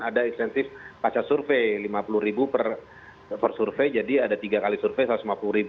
ada insensif pacar survei rp lima puluh per survei jadi ada tiga kali survei rp satu ratus lima puluh